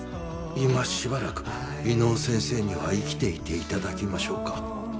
今しばらく、伊能先生には生きていていただきましょうか。